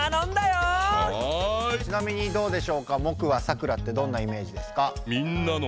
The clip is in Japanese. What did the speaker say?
ちなみにどうでしょうかモクはサクラってどんなイメージですか？